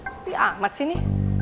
sepi amat sini